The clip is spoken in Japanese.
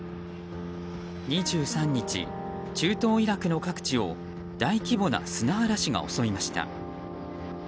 ２３日、中東イラクの各地を大規模な砂嵐が襲いました。